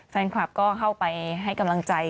แฟนคลับก็เข้าไปให้กำลังใจ